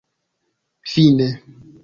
fine